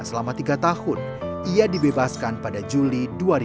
selama tiga tahun ia dibebaskan pada juli dua ribu dua puluh